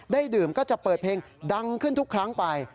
ดื่มก็จะเปิดเพลงดังขึ้นทุกครั้งไป